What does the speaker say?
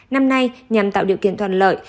năm nay nhằm tạo điều kiện toàn lợi